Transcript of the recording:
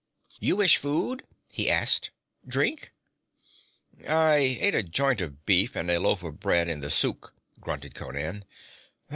'You wish food?' he asked. 'Drink?' 'I ate a joint of beef and a loaf of bread in the suk,' grunted Conan.